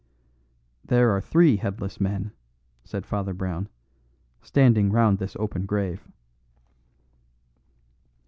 "There are three headless men," said Father Brown, "standing round this open grave."